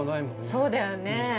そうだよね。